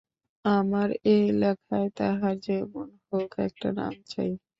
আমার এ লেখায় তাহার যেমন হউক একটা নাম চাই।